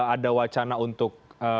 ada wacana untuk